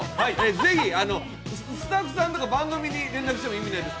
ぜひ、スタッフさんとか番組に連絡しても意味ないです。